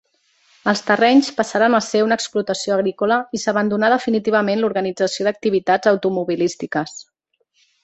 Els terrenys passaren a ser una explotació agrícola i s'abandonà definitivament l'organització d'activitats automobilístiques.